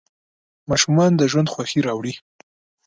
ماشومان د ژوند خوښي راوړي.